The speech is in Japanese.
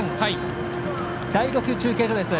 第６中継所です。